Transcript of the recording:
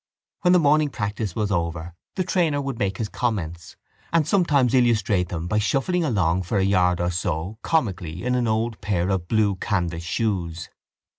When the morning practice was over the trainer would make his comments and sometimes illustrate them by shuffling along for a yard or so comically in an old pair of blue canvas shoes.